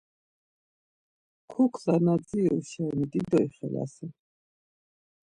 Kukla na dziru şeni dido ixelasen.